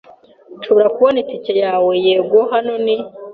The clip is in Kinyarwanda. "Nshobora kubona itike yawe?" "Yego. Hano ni."